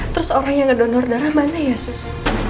terus orang yang ngedonor darah mana ya sus